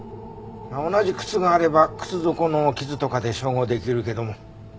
同じ靴があれば靴底の傷とかで照合できるけども。